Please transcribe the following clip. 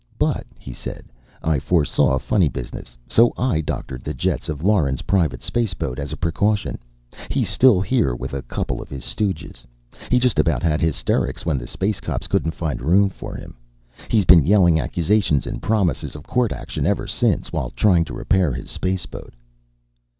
"But," he said, "I foresaw funny business, so I doctored the jets of Lauren's private spaceboat as a precaution. He's still here with a couple of his stooges. He just about had hysterics when the space cops couldn't find room for him. He's been yelling accusations and promises of court action ever since while trying to repair his spaceboat."